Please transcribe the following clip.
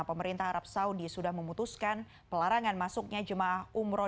pemerintah arab saudi sudah memutuskan pelarangan masuknya jemaah umroh